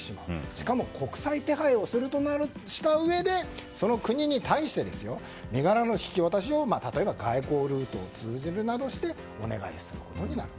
しかも、国際手配したうえでその国に対して身柄の引き渡しを、例えば外交ルートを通じるなどしてお願いすることになる。